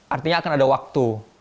artinya akan ada waktu